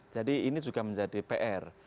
jadi ini juga menjadi pr